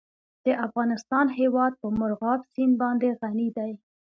د افغانستان هیواد په مورغاب سیند باندې غني دی.